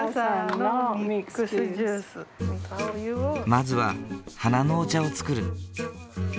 まずは花のお茶を作る。